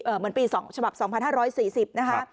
เหมือนปี๒ฉบับ๒๕๔๐นะคะ